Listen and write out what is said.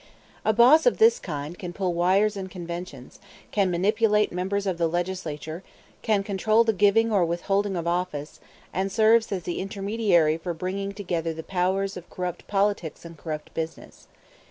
A boss of this kind can pull wires in conventions, can manipulate members of the Legislature, can control the giving or withholding of office, and serves as the intermediary for bringing together the powers of corrupt politics and corrupt business.